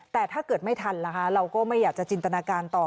แต่ถ้าเกิดไม่ทันนะคะเราก็ไม่อยากจะจินตนาการต่อ